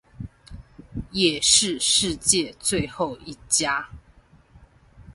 也是世界最後一家